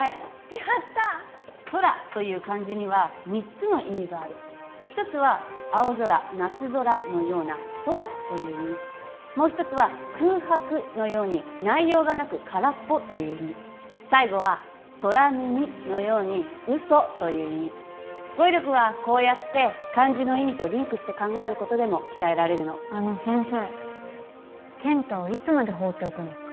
やった「空」という漢字には３つの意味がある１つは「青空」「夏空」のような「空」という意味もう一つは「空白」のように「内容がなく空っぽ」という意味最後は「空耳」のように「嘘」という意味語彙力はこうやって漢字の意味とリンクして考えることでも鍛えられるのあの先生健太をいつまで放っておくんですか？